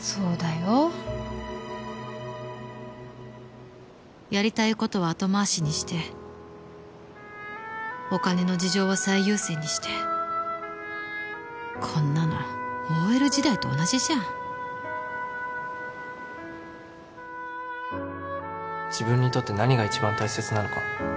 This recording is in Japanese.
そうだよやりたいことは後回しにしてお金の事情を最優先にしてこんなの ＯＬ 時代と同じじゃん自分にとって何が一番大切なのか